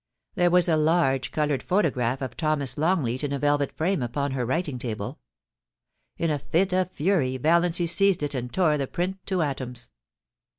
There was a large coloured photograph of Thomas Longleat in a velvet frame upon her writing table. In a fit of fury Valiancy seized it and tore the print to atoms.